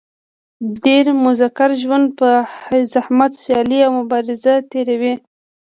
ډېری مذکر ژوند په زحمت سیالي او مبازره تېروي.